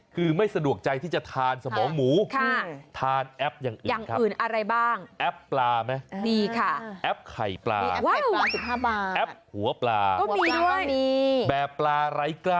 คืออาจจะไม่สะดวกใจ